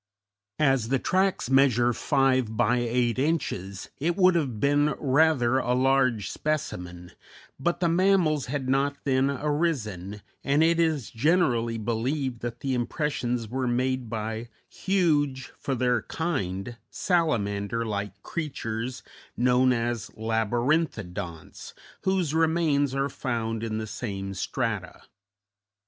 As the tracks measure five by eight inches, it would have been rather a large specimen, but the mammals had not then arisen, and it is generally believed that the impressions were made by huge (for their kind) salamander like creatures, known as labyrinthodonts, whose remains are found in the same strata.